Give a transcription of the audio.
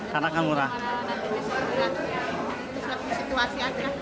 karena akan murah